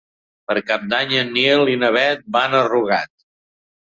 Per Cap d'Any en Nil i na Bet van a Rugat.